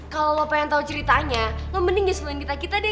kalau lo pengen tau ceritanya lo mending ya selain kita kita deh